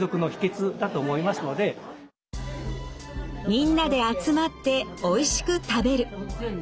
みんなで集まっておいしく食べる。